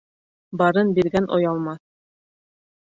Барын биргән оялмаҫ.